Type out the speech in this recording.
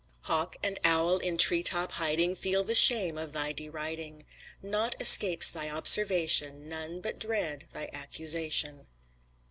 Hawk and owl in tree top hiding Feel the shame of thy deriding. Naught escapes thy observation, None but dread thy accusation.